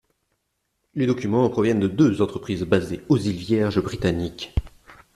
Les documents proviennent de deux entreprises basées aux îles Vierges britanniques.